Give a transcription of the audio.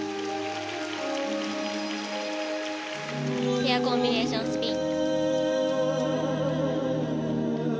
ペアコンビネーションスピン。